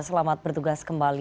selamat bertugas kembali